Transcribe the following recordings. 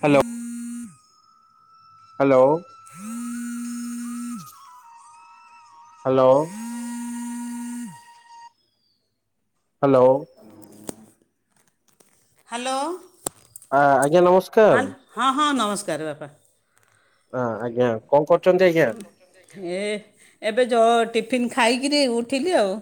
Hello. Hello. ହୁଁ। [inaudible] Hello. Hello. Hello. ଆ ଆଜ୍ଞା ନମସ୍କାର। ହଁ ହଁ ନମସ୍କାର ବାପା। ହଁ ଆଜ୍ଞା କଣ କରୁଛନ୍ତି ଆଜ୍ଞା ଏ ଏବେ ଯଉ ଟିଫିନ୍ ଖାଇକିରି ଉଠିଲି ଆଉ।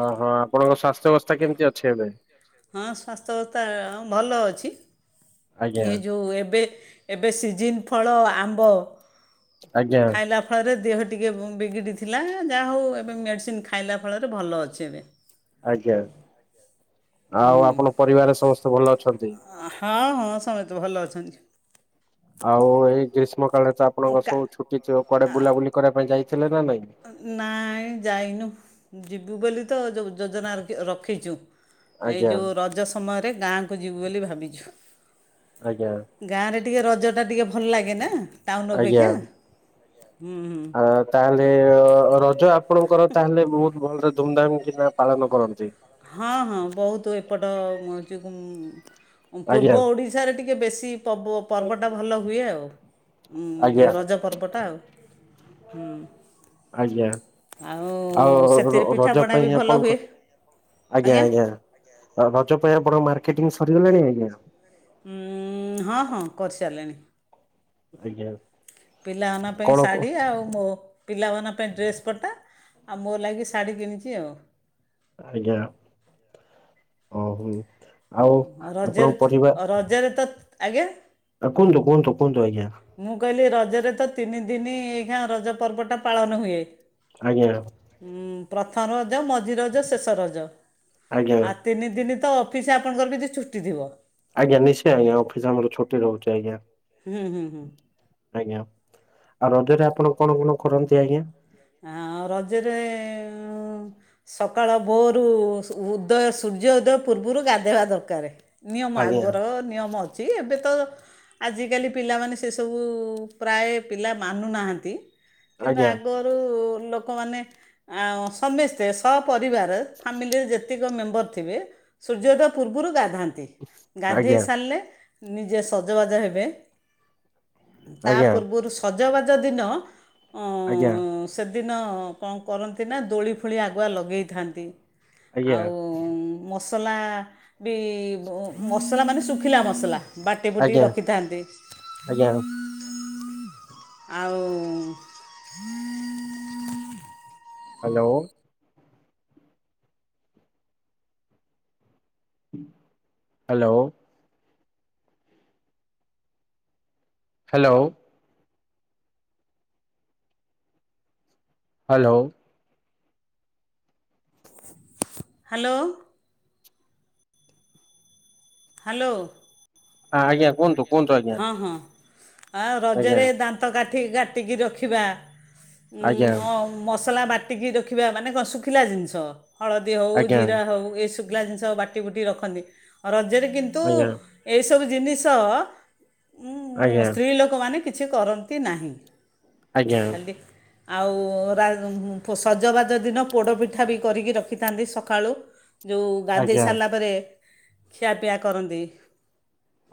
ଓହୋ ଆପଣଙ୍କ ସ୍ୱାସ୍ଥ୍ୟ ଅବସ୍ଥା କେମିତି ଅଛି ଏବେ ହଁ ସ୍ୱାସ୍ଥ୍ୟବସ୍ଥା ଭଲ ଆଜ୍ଞା ଅଛି ଏ ଯେଉବେବେ ସି ଫଳ ଆମ୍ବ ଆଜ୍ଞା ଖାଇଲା ଫଳରେ ଦେହ ଟିକିେ ବିଗିଡ଼ି ଥିଲା ଯାହା ହଉ ଏବେ ମେଡ଼ିସିନ ଖାଇଲା ଫଳରେ ଭଲ ଅଛି ଏବେ ଆଜ୍ଞା ଆଉ ଆପଣ ପରିବାର ସମସ୍ତେ ଭଲ ଅଛନ୍ତି। ହଁ ହଁ ହଁ ସମସ୍ତେ [inaudible] ଆଉ ଏଇ ଷ୍ମ କାଳରେ ତ ଆପଣଙ୍କ ସବୁ କା ଛୁଟି ଥିବ କୁଆଡେ ବୁଲାବୁଲି କରିବା ପାଇଁ ଯାଇଥିଲେ ନା ନାଇଁ ନାଇଁ ଯାଇନୁ ଯିବୁ ବୋଲି ତ ଯୋଉ ଯୋଜନା ରଖିଛୁ। ଏଇ ଆଜ୍ଞା ଯଉ ରଜ ସମୟ ଗୋଟେ ଗାଁକୁ ଯିବୁ ବୋଲି ଭାବିଛୁ। ଆଜ୍ଞା ଗାଁରେ ଟିକେ ରଜ ଟା ଟିକେ ଭଲ ଲାଗେ ନା। ଟାଉନ ଆଜ୍ଞା। ଅବେକ୍ଷା ଆ ତାହେଲେ ରଜ ଆପଣ କର ତାହେଲେ ବହୁତ ଭଲରେ ଧୁମଧାମ କିନା ପାଳନ କରନ୍ତି। ହଁ ହଁ ବହୁତ ଏପଟ ମ ଯେ କମ୍ ଆଜ୍ଞା ପୂର୍ବ ଓଡ଼ିଶାରେ ଟିକେ ବେଶୀ ପବ ପର୍ବଟା ଭଲ ହୁଏ ଆଉ। ଉଁ ଆଜ୍ଞା ଯୋଉ ରଜ ପର୍ବଟା ଆଉ। ହୁଁ ଆଜ୍ଞା ଆଉ ଆଉ ସେଥିରେ ରଜ ପିଠାପଣା ବି ପାଇଁ ଭଲ ଆପଣ ହୁଏ କ ଆଜ୍ଞା ଆଜ୍ଞା ମେଂ ସରିଗଲାଣି ଆଜ୍ଞା ହଁ ହଁ କରିସାରିଲେଣି। ଆଜ୍ଞା ପିଲାମାନ ପାଇଁ କଣ କ ଶାଢ଼ୀ ଆଉ ମୋ ପିଲାମାନଙ୍କ ପାଇଁ ଡ୍ରେସ୍ ପଟା ଆଉ ମୋ ଲାଗି ଶାଢ଼ୀ କିଣିଛି ଆଉ ଆଜ୍ଞା ଓହୋ ଆଉ ହଁ ଆପଣଙ୍କ ରଜରେ ତ- ପରିବାର ରଜରେ ତ ଆଜ୍ଞା ଆଉ କୁହନ୍ତୁ କୁହନ୍ତୁ କୁହନ୍ତୁ ଆଜ୍ଞା। ମୁଁ କହିଲି ରଜରେ ତ ତିନି ଦିନ ଏହିଖାଁ ରଜ ପର୍ବଟା ପାଳନ ହୁଏ। ଆଜ୍ଞା। ଉଁ, ପ୍ରଥମ ମଝି ରଜ ଶେଷ ରଜ ଆଜ୍ଞା ଆ ତିନି ଦିନ ତ ଅଫିସ ଆପଣଙ୍କର ବି ଛୁଟି ଥିବ। ଆଜ୍ଞା ନିଶ୍ଚୟ ଆଜ୍ଞା ଅଫିସ ଆମର ଛୁଟି ରହୁଛି। ଆଜ୍ଞା। ହୁଁ ହୁଁ ହୁଁ। ଆଜ୍ଞା ଆଉ ରଜରେ ଆପଣ କଣ କଣ କରନ୍ତି ଆଜ୍ଞା? ହଁ ଅଁ ଆଉ ରଜରେ ମୁଁ ସକାଳ ଭୋରୁ ସୁ ଉ ଉଦୟ ସୂର୍ଯ୍ୟ ଉଦୟ ପୂର୍ବରୁ ଗାଧେଇବା ଦରକାର। ନିୟମ ଆଜ୍ଞା ଆଗର ନିୟମ ଅଛି ଏବେ ତ ଆଜିକାଲି ପିଲାମାନେ ସେ ସବୁ ପ୍ରାୟ ପିଲା ମାନୁନାହାନ୍ତି। କିନ୍ତୁ ଆଜ୍ଞା ଆଗ କୁ ଲୋକମାନେ ଆଁ ସମସ୍ତେ ସପରିବାର ଫ୍ୟାମିଲିରେ ଯେତିକ ମେମ୍ବର ଥିବେ ସୂର୍ଯ୍ୟୋଦୟ ପୂର୍ବରୁ ଗାଧାନ୍ତି। ନ୍ତି ଗାଧେଇ ଆଜ୍ଞା ସାରିଲେ ନିଜେ ସଜବାଜ ହେବେ। ତା ଆଜ୍ଞା ପୂର୍ବରୁ ସଜ ସଜବାଜ ଦିନ ଆଜ୍ଞା। ହଁ ସେଦିନ କଣ କରନ୍ତି ନା ଦୋଳି ଫୋଳି ଆଗୁଆ ଲଗେଇଥାନ୍ତି। ଆଜ୍ଞା ଆଉ ମତ ମସଲା ବି ମସଲା ମାନେ ଶୁଖିଲା ମସଲା। ବାଟି ଫୁଟି ଆଜ୍ଞା ରଖିଥାନ୍ତି। ଆଜ୍ଞା ଆଉ hello. Hello. Hello. Hello. Hello. Hello. ହଁ ଆଜ୍ଞା। କୁହନ୍ତୁ କୁହନ୍ତୁ ଆଜ୍ଞା। ହଁ ହଁ ଆଉ ଆଜ୍ଞା ରଜରେ ଦାନ୍ତ କାଟ ଠିକି କାଟିକି ରଖିବା। ଉଁ ଆଜ୍ଞା ଆଉ ମସ ଲା ବାଟିକି ରଖିବା ମାନେ କଣ ଶୁଖିଲା ଜିନିଷ ହଳଦୀ ହଉ ଆଜ୍ଞା ଜୀରା ହଉ ଏସବୁ। ଲା ଜିନିଷ ବାଟିବୁଟିିକି ରଖନ୍ତି ଆଉ ରଜରେ କିନ୍ତୁଉଉ ଆଜ୍ଞା ଏଇ ସବୁ ଜିନିଷ୍ ଅଅ ଉଁ ଉଁ ଆଜ୍ଞା ଆଜ୍ଞା ସ୍ତ୍ରୀ ଲୋକମାନେ କି କିଛି କରନ୍ତି ନାହିଁ। ଆଜ୍ଞା। ଖାଲି ଆଉ ରା ପୋ ସଜବାଜ ଦିନ ପୋଡ଼ପିଠା ବି କରିକି ରଖିଥାନ୍ତି ସକାଳୁ। ଯୋଉ ଗାଧେଇ ଆଜ୍ଞା ସାରିଲା ପରେ ଖିଆପିଆ କରନ୍ତି।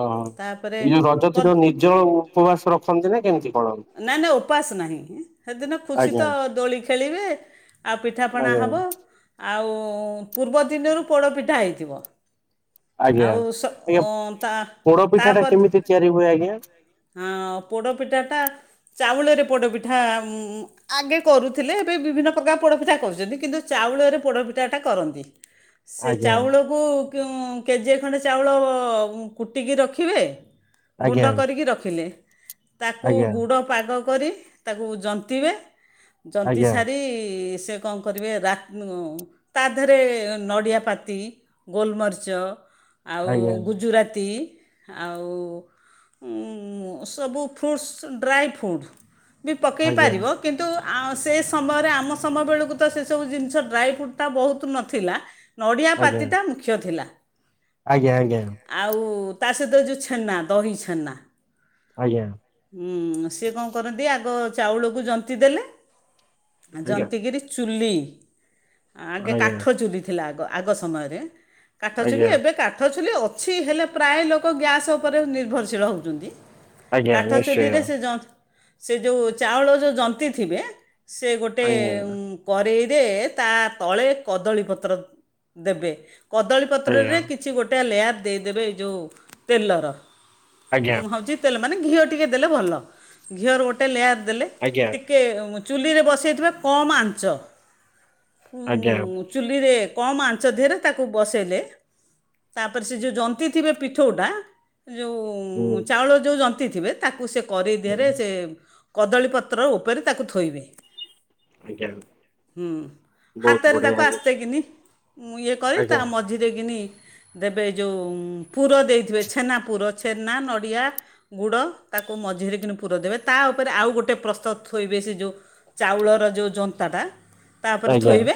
ଅଁ ତା'ପରେ ଏଇ ଯୋଉ ରଜତିର ପ- ନିଜ ଉପବାସ ରଖନ୍ତି ନା କେମିତି କଣ? ପାସ୍ ନାହିଁ। ସେଦିନ ଖୁସି ଆଜ୍ଞା ତ ଦୋଳିି ଖେଳିବେ ଆଉ ପିଠାପଣା ଆଜ୍ଞା ହବ। ଆଉଉ ପୂର୍ବଦିନରୁ ପୋଡ଼ପିଠା ହେଇଥିବ। ଆଜ୍ଞା। ଆଉ ସ ଆଜ୍ଞା [unintelligible] ତା ପୋଡ ପିଠାଟା କେମିତି ତିଆରି ହୁଏ ଆ [unintelligible] ହଁଅଅ ପୋଡ଼ପିଠାଟା ଚାଉଳରେ ପୋଡ଼ପିଠା ଆଗେ କରୁଥିଲେ ଏବେ ବିଭିନ୍ନ ପ୍ରକାର ପୋଡ଼ପିଠା କରୁଛନ୍ତି କିନ୍ତୁ ଚାଉଳରେ ପୋଡ଼ପିଠାଟା କରନ୍ତି। ସେ ଆଜ୍ଞା ଚାଉଳକୁ କେଉଁ କେଜିଏ ଖଣ୍ଡେ ଚାଉଳଅଅ କୁଟିକି ରଖିବେ। ଗୁଣ୍ଡ ଆଜ୍ଞା କରିକି ରଖ୍। ପ୍ଲେ ତାକୁ ଆଜ୍ଞା ଗୁଡ ପାଗ କ୍ କରି ତାକୁ ଜନ୍ତିବେ ଜନ୍ତି ଆଜ୍ଞା ସାରିଇଇ [unintelligible] କଣ କରିବେ ରା ତା ଦେହରେ ନଡ଼ିଆପତି ଗୋଲମରିଚ ଆଉ ଆଜ୍ଞା ଗୁଜୁରାତି ଆଉଉ ଉଁ ଉଁ ଉଁ ସବୁ ଫ୍ରୁଟ୍ସ୍ ଡ୍ରାଏ ଫ୍ରୁଡ୍ ବି ପକେଇ ଆଜ୍ଞା ପାରିବ କିନ୍ତୁ ଆଉ ସେ ସମୟରେ ଆମ ସମୟ ବେଳକୁ ତ ସେ ସବୁ ଜିନିଷ ଡ୍ରାଇ ଫ୍ରୁଟ୍ ଟା ବହୁତ ନଥିଲା ନଡ଼ିଆ ଆଜ୍ଞା। ପାତିଟା ମୁଖ୍ୟ ଥିଲା। ଆଜ୍ଞା ଆଜ୍ଞା ଆଉ ତା ସହିତ ଯୋଉ ଛେନା ଦହି ଛେନା ଆଜ୍ଞା ହୁଁ ସିଏ କଣ କରନ୍ତି ଆଗ ଚାଉଳ କୁ ଜନ୍ତି ଦେଲେ ଆଜ୍ଞା ଆଜ୍ଞା ଜନ୍ତିଗିରି ଚୁଲି ଆଗେ କାଠ ଚୁଲି ଥିଲା ଆଗ ଆଗ ସମୟରେ କାଠ ଚୁଲି ଆଜ୍ଞା ଏବେ କାଠ ଚୁ ହେଲେ ଅଛି ହେଲେ ପ୍ରାୟ ଲୋକ ଗ୍ୟାସ୍ ଉପରେ ନିର୍ଭରଶୀଳ ହେଉଚନ୍ତି। ଆଜ୍ଞା କାଠ ନିଶ୍ଚୟ। ଚୁଲିରେ ସେ ଜ ସେ ଯୋଉ ଚାଉଳ ଯୋଉ ଜନ୍ତି ଥିବେ ସେ ଗୋଟେ ଆଜ୍ଞା କରେଇ ରେ ତା ତଳେ କଦଳୀ ପତ୍ର ଦେବେ କଦଳୀପତ୍ର ଆଜ୍ଞା ରେ କିଛି ଗୋଟା ଲେୟାର ଦେଇ ଦେବେ ଯୋଉ ତେଲର। ଆଜ୍ଞା ହୁଁ ହଉଚି ମାନେ ଘିଅଟିକେ ଦେଲେ ଭଲ ଘିଅ ର ଗୋଟେ ଲେୟାର ଦେଲେ ଆଜ୍ଞା ଟିକେ ଚୁଲିରେ ବସେଇଥିବା କମ୍ ଆଞ୍ଚ ଆଜ୍ଞା ଉଁ ଚୁ୍ଲିରେ କମ୍ ଆଞ୍ଚ ଦେହରେ ତାକୁ ବସେଇଲେ ତାପରେ ସେ ଜୋଉ ଜନ୍ତୀ ଥିବେ ପିଠଉଟା ହୁଁ। ଯୋଉ ଚାଉଳ ଜନ୍ତି ଥିବେ ତାକୁ ସେ କରେଇ ହୁଁ ଦେହରେ ସେ କଦଳୀପତ୍ର ଉପରେ ତାକୁ ଥୋଇବେ ଆଜ୍ଞା ହୁଁ ବହୁତ ହାତରେ ବଢିଆ ତାକୁ ଆଜ୍ଞା ଆସ୍ତେ କିିନି ଇଏ କରି ତା ଆଜ୍ଞା ମଝିରେ କିିନି ତେବେ ଯୋଉ ପୁର ଦେଇଥିବେ ଛେନା ପୁର ଛେନା ନଡ଼ିଆ ଗୁଡ଼ ତାକୁ ମଝିରେ କିିନି ପୁର ଦେବେ ତା ଉପରେ ଆଉ ଗୋଟେ ପ୍ରସ୍ତ ଥୋଇବେ ସେ ଯୋଉ ଚାଉଳର ଯୋଉ ଜନ୍ତାଟା- ତା ଓପରେ ଆଜ୍ଞା ଥୋଇବେ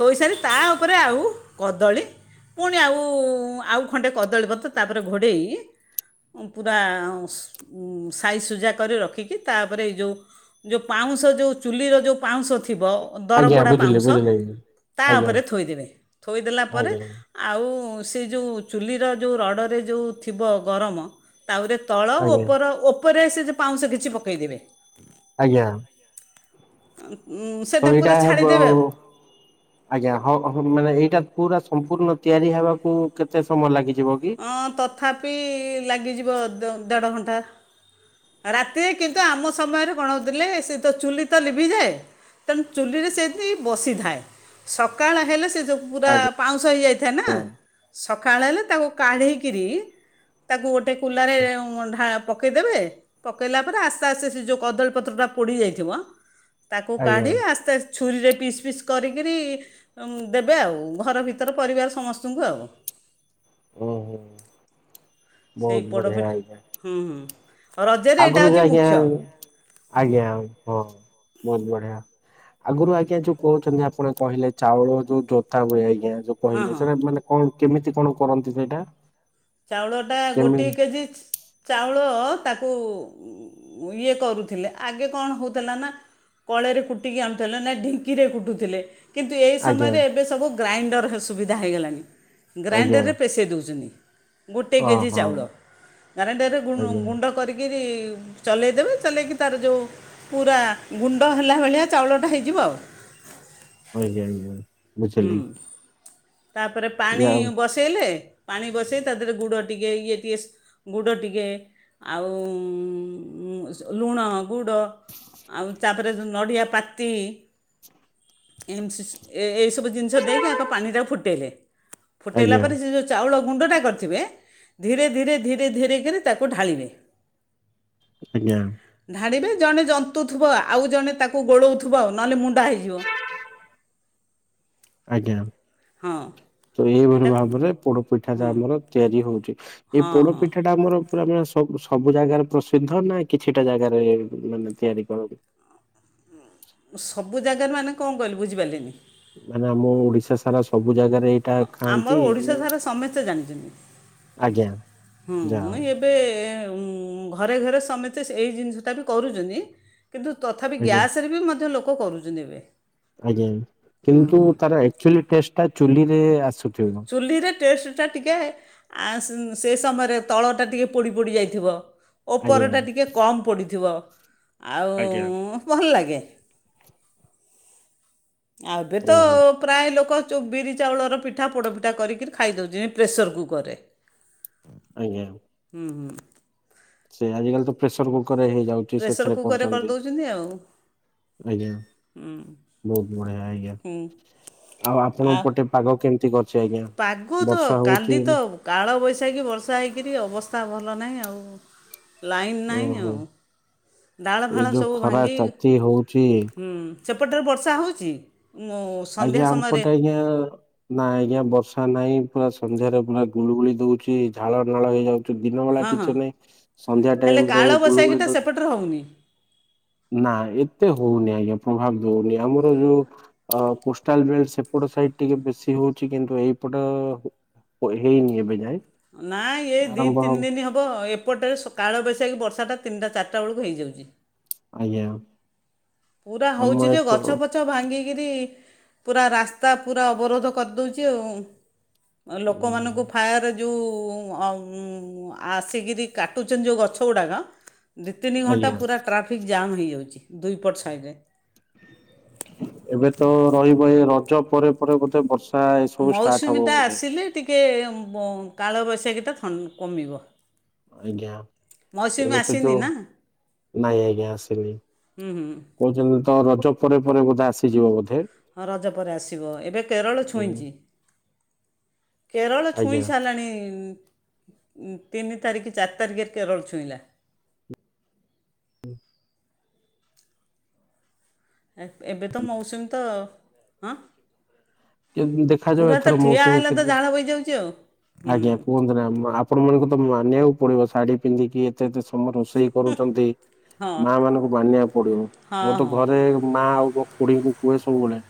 ଥୋଇସାରି ତା ଓପରେ ଆଉ କଦଳୀ ପୁଣି ଆଉ ଆଉ ଖଣ୍ଡେ କଦଳୀ ପତ୍ର ତାପରେ ଘୋଡ଼େଇ ପୁରା ସ ଉଁ ସାଇଜ ସୁଜା କରି ରଖିକି ତାଓପରେ ଏ ଯୋଉ ଯୋଉ ପାଉଁଶ ଯୋଉ ଚୁଲିର ଯୋଉ ପାଉଁଶ ଥି ଥିବ ଆଜ୍ଞା ଦରପୋଡ଼ା ବୁଝିଲି ପାଉଁଶ ବୁଝିଲି ଆଜ୍ଞା। ତା ଆଜ୍ଞା ଉପରେ ଥୋଇଦବେ ଥୋଇଦଲା ପରେ ଆଜ୍ଞା। ଆଉ ସେ ଯୋଉ ଚୁଲିର ଯୋଉ ରଡ଼ରେ ଯୋଉ ଥିବ ଗରରେ ତା ପରେ ତଳ ଆଜ୍ଞା ଓପର ଓପ ଉପରେ ସେ ଯୋଉ ପାଉଁଶ କିଛି ପକାଇଦେବେ ଆଜ୍ଞା। ତ ସେଇଟା ଏଇଟା ପୁରା ଛାଡ଼ିଦେବେ ବୋଉ ଆଜ୍ଞା ହଁ ହ ମାନେ ଏଇ ଇଟା ପୁରା ସମ୍ପୂର୍ଣ୍ଣ ତିଆରି ହେବାକୁ କେତେ ସମୟ ଲାଗି? ହଁ ତଥାପି ଲାଗିଯିବ ୱ ଦ ଦେଢ଼ ଘଣ୍ଟା ଅ ରାତି କିନ୍ତୁ ଆମ ସମୟରେ କଣ ହୋଉଥିଲେ ସେତ ଚୁଲି ଲିଭି ଯାଏ ତେଣୁ ଚୁଲିରେ ସିଏନ୍ତି ବସି ଥାଏ ସକାଳ ହେଲେ ସେ ପୁରା ଆଜ୍ଞା ପାଉଁଶ ହେଇ ଯାଇଥାଏ ନା। ସକାଳ ହେଲେ ତାକୁ କାଢିକିରି ତାକୁ ଗୋଟେ କୁଲାରେ ଏ ଉଁ ଢା ପକେଇଦବେ ପକେଇଲା ପରେ ଆସ୍ତେ ଆସ୍ତେ ସେ ଯୋଉ କଦଳୀ ପତ୍ରଟା ପୋଡ଼ି ଯାଇଥିବ ତାକୁ ଆଜ୍ଞା କାଢି ଆସ୍ତେଆସ୍ତେ ଛୁରୀରେ ପିସ୍ ପିସ୍ କରିକିରି ଉଁ ଦେବେ ଆଉ ଘର ଭିତର ପରିବାର ସମସ୍ତଙ୍କୁ ଆଉ। ଓ ହୋ। ସେଇ ପୋଡ଼ପିଠ ହଁ ହୁଁ। ଆଉ ରଜରେ ଏଇଟା ଆଗରୁ ଯେ ହେଉଛି ଆଜ୍ଞା ମୁଖ୍ୟ ଆଜ୍ଞା ହଁ। ବହୁତ ବଢିଆ ଆଗରୁ ଆଜ୍ଞା ଯୋଉ କହୁଛନ୍ତି ଆପଣ କହିଲେ ଚାଉଳ ଯୋଉ ଜୋତା ହୁଏ ଆଜ୍ଞା ଯୋଉ ହଁ କହିଲେ ସେଟା ହଁ ମାନେ କଣ କେମିତି କଣ କରନ୍ତି ସେଇଟା? ଚାଉଳ ଟା କେମି ଗୋଟିଏ କେଜି ଚ ଚାଉଳ ତାକୁ ଇଏ କରୁଥିଲେ ଆଗେ କଣ ହେଉଥିଲା ନା କଳେରେ କୁଟିକି ଆଣୁଥିଲେ ନା ଢିଙ୍କିରେ କୁଟୁଥିଲେ। କିନ୍ତୁ ଏଇ ଆଜ୍ଞା ସମୟରେ ଏବେ ସବୁ ଗ୍ରାଇଣ୍ଡରହସୁବିଧା ହେଇଗଲାଣି ଆଜ୍ଞା ଗ୍ରାଇଣ୍ଡରରେ ପେସେଇ ଦେଉଚନ୍ତି ଗୋଟେ ହଁ କେଜି ହଁ ଚାଉଳ ଗାରେଣ୍ଡରେ ଗୁଁ ଆଜ୍ଞା ଗୁଣ୍ଡ କରିକିରି ଚଲେଇ ଦେବେ କଲେଇ କି ତାର ଯୋଉ ପୁରା ଗୁଣ୍ଡ ହେଲା ଭାଲିଆ ଚାଉଳ ଟା ହେଇଯିବ ଆଉ। ଆଜ୍ଞା ଆଜ୍ଞା। ବୁଝିଲି। ତାପରେ ପାଣି ବସେଇଲେ ପାଣି ବସେଇ ତା ଦେହରେ ଗୁଡ଼ ଟିକେ ଇଏ ଟିକଏ ଗୁଡ଼ ଟିକେ ଆଉ ସ ଲୁଣ ଗୁଡ଼ ଆଉ ତାପରେ ନଡ଼ିଆ ପାତି ଏମିତି ସ ଏ ସବୁ ଜିନିଷ ଦେଇକି ଆଗ ପାଣି ଟାକୁ ଫୁଟେଇଲେ। ଫୁଟେଇଲା ଆଜ୍ଞା ପରେ ସେ ଯୋଉ ଚାଉଳ ଗୁଣ୍ଡ ଟା କରିଥିବେ ଧୀରେ ଧୀରେ ଧୀରେ ଧୀରେ କି ତାକୁ ଢା଼ଳିବେ। ଆଜ୍ଞା। ଜଣେ ଜନ୍ତୁଥିବ ଆଉ ଜଣେ ତାକୁ ଗୋଲଉଥିବ ନହେଲେ ମୁଣ୍ଡ୍ ଣ୍ଡା ହେଇଯିବ। ଆଜ୍ଞା। ହଁ। ତ ଏଇଭଳି ସେଇଟା ଭାବରେ ପୋଡ଼ପିଠା ଟା ହଁ ଆମର ତିଆରି ହଉଛି। ଏଇ ହଁ ପୋଡ଼ ହଁ ପିଠା ଟା ଆମର ପୁରା ମାନେ ସବୁ ସବୁ ଜାଗାରେ ପ୍ରସିଦ୍ଧ ନା କିଛିଟା ଜାଗାରେ ମାନେ ତିଆରି କରନ୍ତି। ସବୁ ଜାଗାରେ ମାନେ କଣ କହିଲ ବୁଝିପାରିଲିନି। ମାନେ ଆମ ଓଡିଶା ସାରା ସବୁ ଜାଗାରେ ଏଇଟା ଆମର ଖାଆନ୍ତି ଓଡ଼ିଶା ନା ସାରା ସମସ୍ତେ ଜାଣିଛନ୍ତି ଆଜ୍ଞା ଯାହା ହଉ ହୁଁ ଏବେ ଘରେ ଘରେ ସମିତେ ଏଇ ଜିନିଷଟା ବି କରୁଛନ୍ତି। କିନ୍ତୁ ତଥାପି ଆଜ୍ଞା ଗ୍ୟାସ ରେ ବି ମଧ୍ୟ୍ୟ ଲୋକ ଲୋକ କରୁଛନ୍ତି ଏବେ- ଆଜ୍ଞା ହୁଁ କିନ୍ତୁ ହୁଁ ତାର ଆକଚ୍ୟୁଲି ଟେଷ୍ଟ୍ ଟା ଚୁଲିରେ ଆସୁଥିବ ଚୁଲିରେ- ଟେଷ୍ଟ୍ ଟା ଟିକେ ସେ ସମୟରେ ତଳଟା ଟିକେ ପୋଡ଼ି ପୋଡ଼ି ଯାଇଥିବ। ଓପର ଟା ଆଜ୍ଞା। ଟିକେ କମ୍ ପୋଡି଼ଥିବ। ଆଉ ଭଲ ଲାଗେ। ଆଉ ଏବେ ଉଁ ତ ହୁଁ ପ୍ରାୟ ଲୋକ ଯୋଉ ବିରି ଚାଉଳ ର ପିଠା ପୋଡ଼ପିଠା କରିକି ଖାଇଦଉଛେ ପ୍ରେସର୍ କୁକର ରେ ଆଜ୍ଞା। ହୁଁ। ସେ ଆଜିକାଲିକା ତ ପ୍ରେସର୍ କୁକ୍ ହେଇଯାଉଛି ପ୍ରେସର ସେଥିରେ କୁକରରେ କରୁଛନ୍ତି କରିଦେଉଛନ୍ତି ଆଉ ଆଜ୍ଞା ବହୁତ୍ ବଢ଼ିଆ ଆଜ୍ଞା ହୁଁ ଆଉ ଆପଣ ପଟେ ପାଗ କେମତି କ ପାଗ ତ କାଲି ତ କାଳ ବୈଶାଖୀ ବର୍ଷା ହେଇକିରି ଅବ - ସ୍ଥା ଭଲ ନାହିଁ ଆଉ ଲାଇନ୍ ନାହିଁ ଓହୋ ଆଉ ଡାଳ ଏଇ ଫାଳ ଯୋଉ ସବୁ ଖରା ଭାଙ୍ଗି ତାତି ହଉଛି ହୁଁ ସେପଟରେ ବର୍ଷା ହେଉଚି ଆଜ୍ଞା ଆମପଟେ ଆଜ୍ଞା ନାଇଁ ଆଜ୍ଞା ବର୍ଷା ନାଇଁ ପୁରା ସନ୍ଧ୍ୟାରେ ପୁରା ଗୁଳିୁ ଗୁଳି ଦଉଛି ଝାଳ ନାଳ ହେଇଯାଉ ଚି ଦିନ ବଳା ହଁ ହଁ କିଛି ନାଇଁ ସନ୍ଧ୍ୟା ହେଲେ ଟାଇମ ରେ ଗୁଳୁଗୁଳି କାଳବୈଶାଖୀଟା ଦଉଚି ସେପଟରେ ହେଉନି ନା ଏତେ ହଉନି ଆଜ୍ଞା ପ୍ରଭାବ ଦଉନି ଆମର ଯୋଉ ଅ କୋଷ୍ଟାଲ ବେଲଟ ସେପଟ ସାଇଟ ଟିକେ ବେଶୀ ହଉଛି କିନ୍ତୁ ଏଇପଟ ହେଇନି ଏବେ ଯାଏଁ ନା ଇଏ ଦି ତିନି ଦିନ ହବ ଏପଟରେ କାଳ ବୈଶାଖୀ ବର୍ଷା ଟା ତିନିଟା ଚାରିଟା ବେଳକୁ ହେଇଯାଉଛି ଆଜ୍ଞା ପୁରା ହଉଛିି ଆମ ଯେ ଏତ ଗଛ ପଛ ଭାଙ୍ଗିକି କିରି ପୁରା ରାସ୍ତା ପୁରା ଅବରୋଧ କରିଦଉଛି ଆଉ ଲୋକମାନଙ୍କୁ ଫାୟାର ଯଉ ଅଁ ଆସିକିରି କାଟୁଛନ୍ତି ଯୋଉ ଗଛ ଗୁଡାକ ଦି ତିନି ଘଣ୍ଟା ଆଜ୍ଞା ପୁରା ଟ୍ରାଫିକ୍ ଜାମ୍ ହେଇଯାଉଛି ଦୁଇ ବର୍ଷ ଫାଇଲିନ ଏବେ ତ ରହିବ ଏ ରଜ ପରେ ପରେ ଗୋଟେ ବର୍ଷ ମୌସୁମୀଟା ଆସିଲେ ଟିକେ ବ କାଳ ବୈଶାଖୀଟା ଥନ କମିବ ଆଜ୍ଞା ମୌସୁମୀ ଏବେ ତ ଆସିନି ଯୋଉ ନା ନାଇଁ ଆଜ୍ଞା ଆସିନି ହୁଁ ହୁଁ କହୁଛନ୍ତି ତ ରଜ ପ ପରେ ପରେ ବୋଧେ ଆସିଯିବ ବୋଧେ ହଁ ରଜ ପରେ ଆସିବ ଏବେ କେରଳ ଛୁଇଁଛି କେରଳ ଛୁଇଁ ଆଜ୍ଞା। ସାରିଲାଣି ଇଁ ଉଁ ତିନି ତାରିଖ ଚାରି ତାରିଖରେ କେରଳ ଛୁଇଁଲା। ହୁଁ। ଏବେ ତ ମୌସୁମୀ ତ ହଁ କେମ ଦେଖାଯାଉ ପୁରା ତ ଏଥର ଠିଆ ମୌସୁମୀ ହେଲେ କେ ତ ଝାଳ ବୋହିଯାଉଛି ଆଉ ହୁଁ ଆଜ୍ଞା କୁହନ୍ତୁ ନା ଆପଣ ମାନଙ୍କ ତ ମା ନିବାକୁ ପଡିବ ଶାଢୀ ପିନ୍ଧିକି ଏତେ ଏତେ ସ ତମ ରୋଷେଇ କରୁଛନ୍ତି ହଁ ମା ମାନଙ୍କୁ ମାନିବାକୁ ପଡିବ ହଁ ମୁଁ ତ ହଁ ହଁ ଘରେ ମା ଆଉ ଖୁଢ଼ୀଙ୍କୁ କୁହେ ସବୁବେଳେ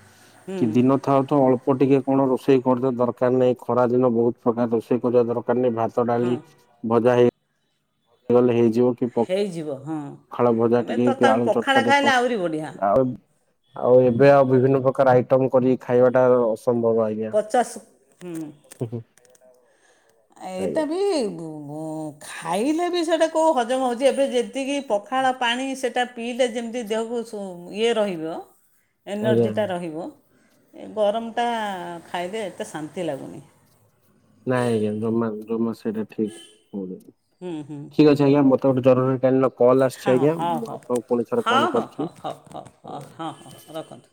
ହୁଁ କି ଦିନ ଥାଉ ଅଳ୍ପ ଟିକେ କଣ ରୋଷେଇ କରିବା ଦରକାର ନାହିଁ ଖରା ଦିନ ବହୁତ ପ୍ରକାର ରୋଷେଇ କରିବା ଦରକ କାର ନାହିଁ ଭାତ ହଁ ଡାଲି ଭଜା ହେଇ ସେ ଗଲେ ହେଇଯିବ। ହେଇଯିବ ହଁ ପଖାଳ ଭଜା ଏବେ ଟିକେ କି ତଥାପି ଆଳୁ ଚଟକା ପଖାଳ ଟିକେ ଖାଇଲେ ଆହୁରି ବଢ଼ିଆ। ଆଉ ଆଉ ଏବେ ଆଉ ବିଭିନ୍ନ ପ୍ରକାର ଆଇଟମ କରି ଖାଇବାଟା ଅ ସମ୍ଭବ ଆଜ୍ଞା। ପଚାଶ ଏଇତ ଆଜ୍ଞା ବି ଭୁ ଭୁ ଖାଇଲେ ବି ସେ ସେ କୋଉ ହଜମ ହଉଛି ଏବେ ଯେ ଏତିକି ପଖାଳ ପାଣି ସେଇଟା ପିଇଲେ ଯେମିତି ଦେହକୁ ସୁ ଇଏ ରହିବ। ଆଜ୍ଞା ଏନର୍ଜିଟା ରହିବ। ଏ ଗରମଟା ଖାଇଲେ ଏତେ ଶାନ୍ତି ଲାଗୁନି। ନାଇଁ ଆଜ୍ଞା ଜମା ନୁହୁଁ। [unintelligible] ସେଇଟା ଠିକ ହଉ [unintelligible] ହୁଁ ହୁଁ। ମତେ ଗୋଟେ ଜରୁରୀ କାଳୀନ କଲ୍ ଆସିଛି ହଁ ଆଜ୍ଞା ହଉ ମୁଁ ହଉ ଆପଣଙ୍କୁ ପୁଣି ଥରେ ହଉ କଲ ହଉ କରୁଛି ହଉ ହଉ ହଉ ହଉ ହଁ ହଁ ଆଜ୍ଞା। ରଖନ୍ତୁ